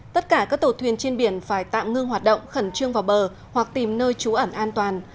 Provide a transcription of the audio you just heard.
tất cả các tàu thuyền trên biển phải tạm ngưng hoạt động khẩn trương vào bờ hoặc tìm nơi trú ẩn an toàn